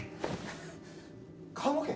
棺桶？